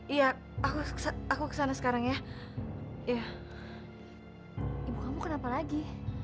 iya aku kesana sekarang ya ibu kamu kenapa lagi